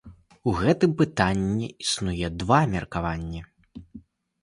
У гэтым пытанні існуе два меркаванні.